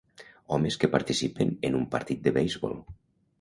Homes que participen en un partit de beisbol.